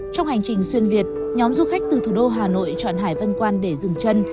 trong hành trình xuyên việt nhóm du khách từ thủ đô hà nội chọn hải vân quan để dừng chân